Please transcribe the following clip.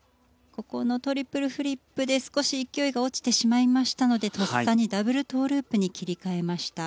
トリプルフリップで少し勢いが落ちてしまいましたのでとっさにダブルトウループに切り替えました。